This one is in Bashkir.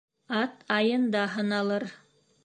Ат айында һыналыр.